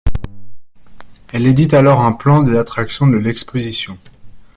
Elle édite alors un plan des attractions de l'exposition.